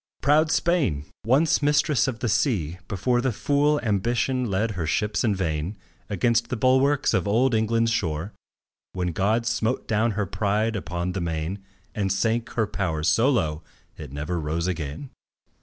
Proud Spain! once mistress of the sea, before The fool Ambition led her ships in vain Against the bulwarks of old England's shore, When God smote down her pride upon the main And sank her power so low, it never rose again.